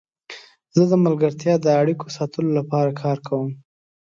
زه د ملګرتیا د اړیکو ساتلو لپاره کار کوم.